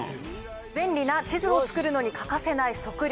便利な地図を作るのに欠かせない測量。